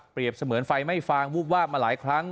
เปรียบเสมือนไฟไม่ฟางวูบว่ามาหลายครั้ง